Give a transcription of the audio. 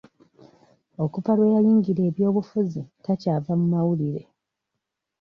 Okuva lwe yayingira ebyobufuzi takyava mu mawulire.